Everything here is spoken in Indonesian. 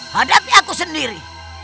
hadapi aku sendiri